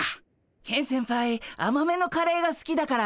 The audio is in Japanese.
ケン先輩あまめのカレーがすきだから。